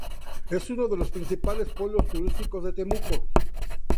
Es uno de los principales polos turísticos de Temuco.